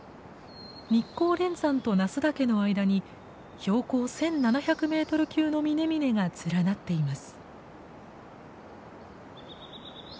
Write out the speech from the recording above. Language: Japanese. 日光連山と那須岳の間に標高１，７００メートル級の峰々が連なっています。